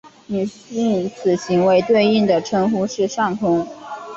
女性此行为对应的称呼是上空。